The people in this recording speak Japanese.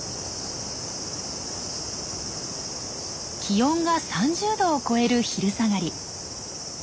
気温が３０℃を超える昼下がり。